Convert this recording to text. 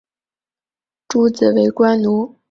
诸子为官奴。